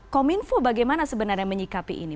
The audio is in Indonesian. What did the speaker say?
kominfo bagaimana sebenarnya menyikapi ini